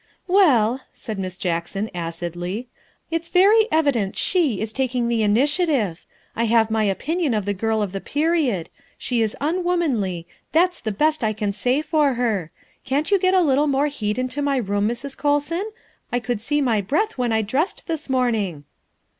" Well," said Miss Jackson acidly, "it's very evident she is taking the initiative. I have my opinion of the girl of the period she is unwomanly, that's the best I can say for her. Can't you get a little more heat into my room, Mrs. Colson? I could see my breath when I dressed this morning."